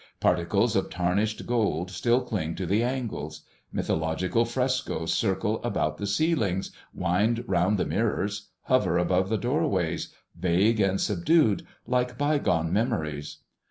Particles of tarnished gold still cling to the angles. Mythological frescos circle about the ceilings, wind round the mirrors, hover above the doorways, vague and subdued, like bygone memories.